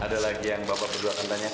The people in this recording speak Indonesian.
ada lagi yang bapak berdua akan tanyakan